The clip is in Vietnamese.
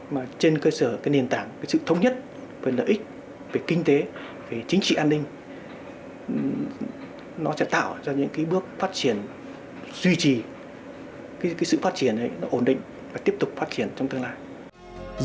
mà trên cơ sở nền tảng sự thống nhất về lợi ích về kinh tế về chính trị an ninh nó sẽ tạo ra những bước phát triển duy trì sự phát triển ổn định và tiếp tục phát triển trong tương lai